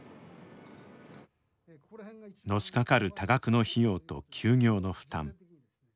のしかかる多額の費用と休業の負担。